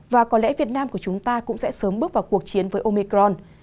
và có lẽ việt nam của chúng ta cũng sẽ sớm bước vào cuộc chiến với omicron